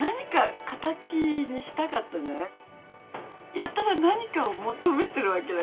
やたら何かを求めてるわけだから。